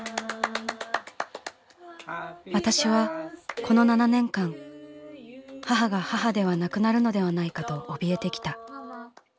「私はこの７年間母が母ではなくなるのではないかとおびえてきた。